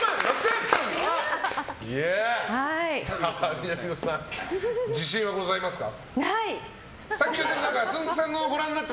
南野さん、自信はございますか。